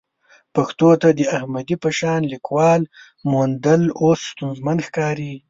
پښتو ته د احمدي په شان لیکوال موندل اوس ستونزمن ښکاري.